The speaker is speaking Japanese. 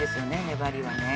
粘りはね。